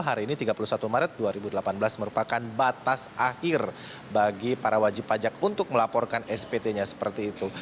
hari ini tiga puluh satu maret dua ribu delapan belas merupakan batas akhir bagi para wajib pajak untuk melaporkan spt nya seperti itu